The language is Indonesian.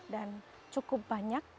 dan cukup banyak